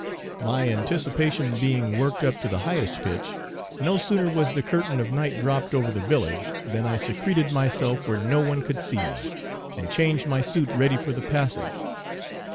My anticipation being worked up to the highest pitch, no sooner was the curtain of night dropped over the village, than I secreted myself where no one could see me, and changed my suit ready for the passage.